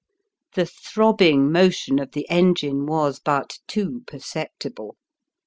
Tho throbbing motion of the engine was but too perceptible.